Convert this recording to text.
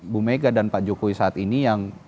bu mega dan pak jokowi saat ini yang